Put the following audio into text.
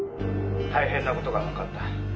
「大変な事がわかった」